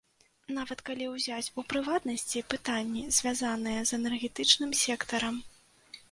Нават калі ўзяць, у прыватнасці, пытанні, звязаныя з энергетычным сектарам.